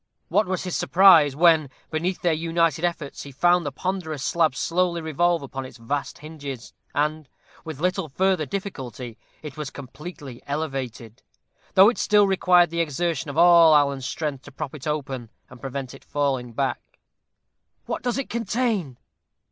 What was his surprise, when, beneath their united efforts, he found the ponderous slab slowly revolve upon its vast hinges, and, with little further difficulty, it was completely elevated; though it still required the exertion of all Alan's strength to prop it open, and prevent its falling back. "What does it contain?"